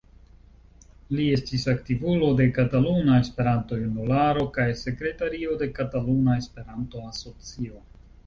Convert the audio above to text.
Li estis aktivulo de Kataluna Esperanto-Junularo kaj sekretario de Kataluna Esperanto-Asocio.